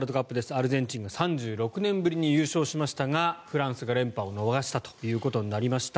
アルゼンチンが３６年ぶりに優勝しましたがフランスが連覇を逃したということになりました。